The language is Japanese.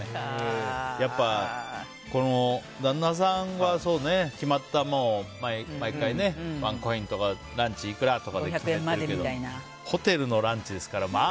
やっぱ、旦那さんは決まった、毎回ワンコインとかランチいくらとかだけどホテルのランチですからね。